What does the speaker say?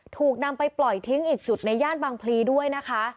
ถูกนำไปปล่อยทิ้งอีกจุดในย่านบางพลีด้วยนะคะ